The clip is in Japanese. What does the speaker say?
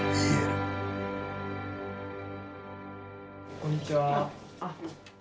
こんにちは。